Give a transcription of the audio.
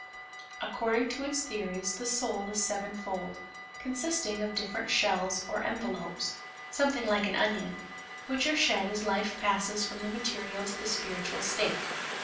According to its theories, the soul is sevenfold, consisting of different shells or envelopes something like an onion which are shed as life passes from the material to the spiritual state.